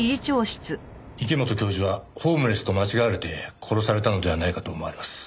池本教授はホームレスと間違われて殺されたのではないかと思われます。